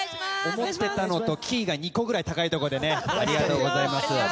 思ってたのとキーが２個ぐらい高いところでありがとうございます。